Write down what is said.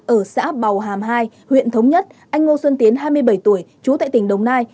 ở xã bào hàm hai huyện thống nhất anh ngô xuân tiến hai mươi bảy tuổi trú tại tỉnh đồng nai